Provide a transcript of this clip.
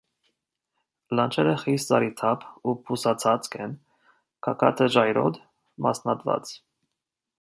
Լանջերը խիստ զառիթափ ու բուսածածկ են, գագաթը՝ ժայռոտ, մասնատված։